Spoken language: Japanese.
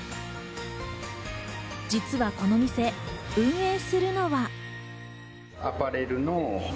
実はこの店、運営するのは。